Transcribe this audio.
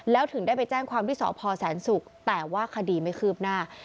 แล้วถึงได้ไปแจ้งความที่สพแสนศุกร์แต่ว่าคดีไม่คืบหน้า